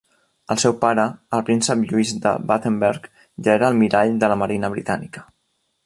El seu pare, el príncep Lluís de Battenberg ja era almirall de la marina britànica.